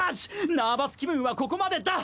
ナーバス気分はここまでだ！